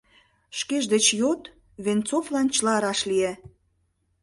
— Шкеж деч йодВенцовлан чыла раш лие.